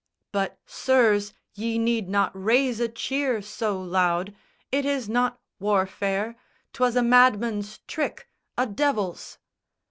But, sirs, ye need not raise a cheer so loud It is not warfare. 'Twas a madman's trick, A devil's!"